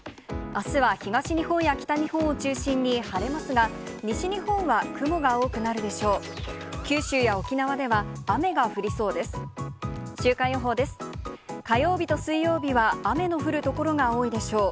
あすは東日本や北日本を中心に晴れますが、西日本は雲が多くなるでしょう。